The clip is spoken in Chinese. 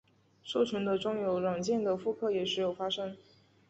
授权的专有软件的复刻也时有发生。